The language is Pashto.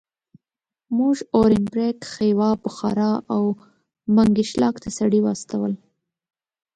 موږ اورینبرګ، خیوا، بخارا او منګیشلاک ته سړي واستول.